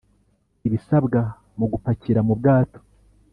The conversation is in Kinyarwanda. ibisabwa mu gupakira mu bwato